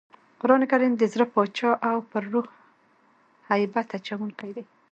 قرانکریم د زړه باچا او پر روح هیبت اچوونکی دئ.